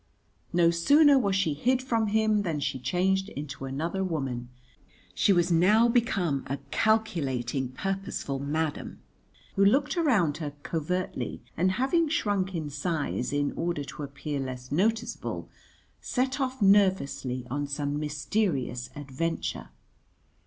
No sooner was she hid from him than she changed into another woman; she was now become a calculating purposeful madam, who looked around her covertly and, having shrunk in size in order to appear less noticeable, set off nervously on some mysterious adventure.